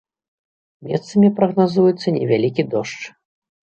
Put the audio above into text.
Месцамі прагназуецца невялікі дождж.